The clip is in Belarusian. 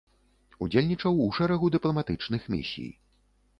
Удзельнічаў у шэрагу дыпламатычных місій.